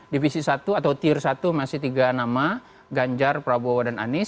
divisi satu atau tier satu masih tiga nama ganjar prabowo dan anies